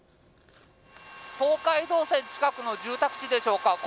東海道線近くの住宅地でしょうか。